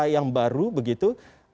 yang baru begitu